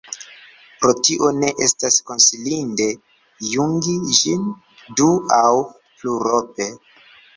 Pro tio ne estas konsilinde jungi ĝin du- aŭ plurope.